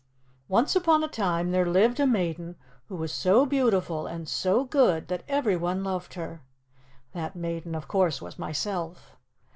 "Once upon a time there lived a maiden who was so beautiful and so good that everyone loved her. That maiden, of course, was myself.